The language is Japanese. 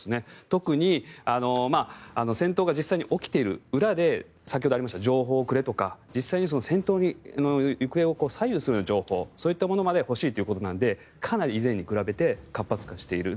特に、戦闘が実際に起きている裏で先ほどありました情報をくれとか実際に戦闘の行方を左右するような情報そういったものまで欲しいということなのでかなり、以前に比べて活発化している。